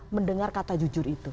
mendengar kata jujur itu